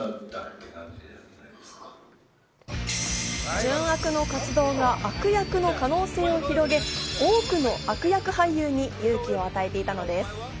純悪の活動が悪役の可能性を広げ、多くの悪役俳優に勇気を与えていたのです。